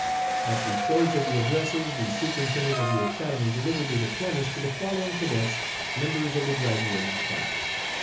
At the close of the addresses the Superintendent of the Academy delivered the diplomas to the following cadets, members of the Graduating Class.